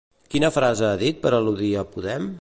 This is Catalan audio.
Quina frase ha dit per al·ludir a Podem?